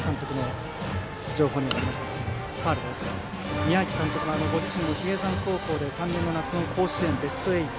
宮崎監督もご自身も比叡山高校で３年の夏の甲子園ベスト８。